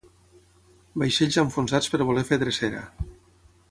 Vaixells enfonsats per voler fer drecera